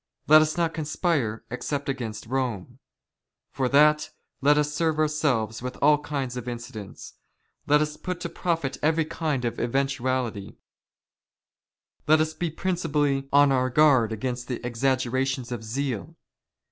Let us not con " spire except against Rome. For that, let us serve ourselves " with all kinds of incidents ; let us put to profit every kind of 78 WAR OF ANTICHRIST WITH THE CHURCH. " eventuality. Let us be principally on oiir guard against the " exaggerations of zeal.